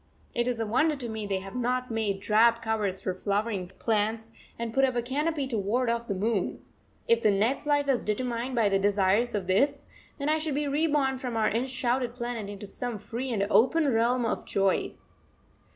It is a wonder to me they have not made drab covers for flowering plants and put up a canopy to ward off the moon. If the next life is determined by the desires of this, then I should be reborn from our enshrouded planet into some free and open realm of joy.